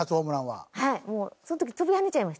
はい。